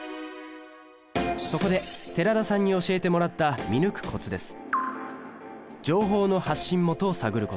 そこで寺田さんに教えてもらった見抜くコツです